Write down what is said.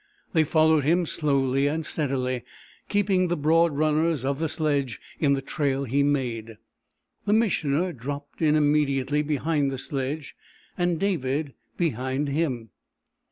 They followed him slowly and steadily, keeping the broad runners of the sledge in the trail he made. The Missioner dropped in immediately behind the sledge, and David behind him.